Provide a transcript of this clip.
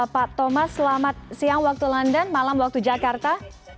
pak thomas selamat siang waktu london malam waktu jakarta